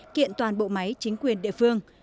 kiện toàn bộ máy chính quyền địa phương